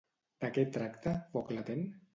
De què tracta Foc latent?